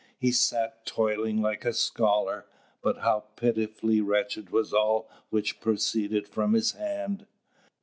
He sat toiling like a scholar. But how pitifully wretched was all which proceeded from his hand!